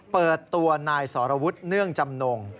เปิดตัวนายสรวุฒิเนื่องจำนง